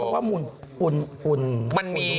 เพราะว่ามุ่น